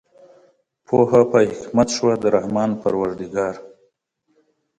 پوهه په حکمت شوه د رحمان پروردګار